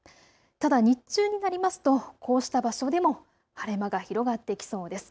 ただ日中になりますとこうした場所でも晴れ間が広がっていきそうです。